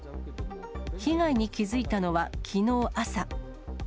被害に気付いたのはきのう朝。